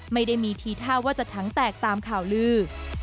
ไม่ได้มีทีท่าว่าจะถังแตกตามข่าวลือ